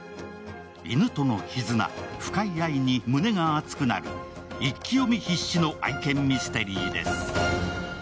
犬との絆、深い愛に胸が熱くなる一気読み必至の愛犬ミステリーです。